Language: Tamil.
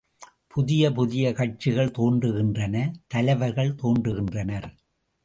புதிய புதிய கட்சிகள் தோன்றுகின்றன தலைவர்கள் தோன்றுகின்றனர்.